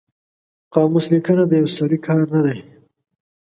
قاموس لیکنه د یو سړي کار نه دی